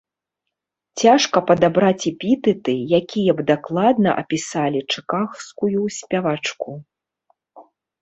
Цяжка падабраць эпітэты, якія б дакладна апісалі чыкагскую спявачку.